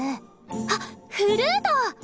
あっフルート！